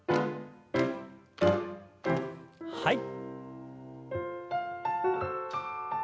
はい。